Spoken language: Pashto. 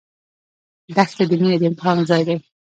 دښته د مینې د امتحان ځای دی.